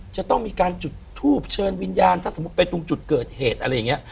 จะต้องมีการจุดทูบเชิญวิญญาณถ้าสมมุติไปตรงจุดเกิดเหตุอะไรอย่างนี้